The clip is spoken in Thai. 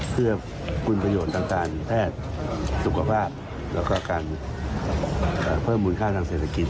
เพื่อคุณประโยชน์ทางการแพทย์สุขภาพแล้วก็การเพิ่มมูลค่าทางเศรษฐกิจ